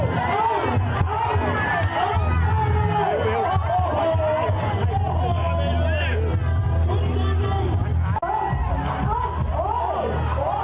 พักภูมิฉันก็รู้ว่าการให้สี่ตัวก็มีการทุกคนที่ดีกว่า